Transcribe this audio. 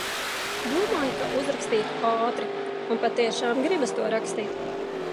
Domāju, ka uzrakstītu ātri. Un patiešām gribas to rakstīt.